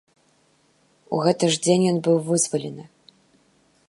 У гэты ж дзень ён быў вызвалены.